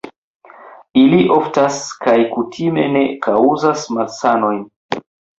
Ili oftas kaj kutime ne kaŭzas malsanojn.